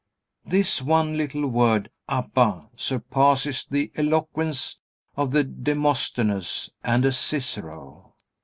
This one little word "Abba" surpasses the eloquence of a Demosthenes and a Cicero.